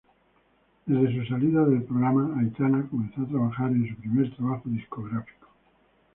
Desde su salida del programa, Aitana comenzó a trabajar en su primer trabajo discográfico.